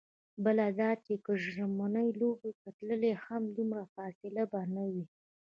بله دا چې که ژمنیو لوبو ته تللې هم، دومره فاصله به نه وي.